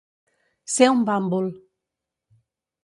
Ser un bàmbol.